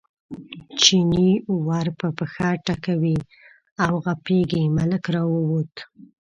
چیني ور په پښه ټکوي او غپېږي، ملک راووت.